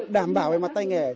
đảm bảo về mặt tay nghề